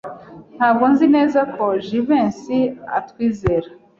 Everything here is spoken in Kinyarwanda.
Ntabwo nzi neza ko Jivency atwizera.